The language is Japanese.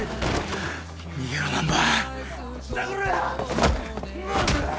逃げろ難破。